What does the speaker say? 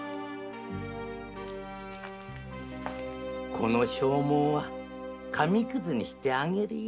この証文は紙クズにしてあげるよ。